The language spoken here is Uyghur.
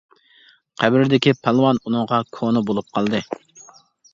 قەبرىدىكى پالۋان ئۇنىڭغا كونا بولۇپ قالدى.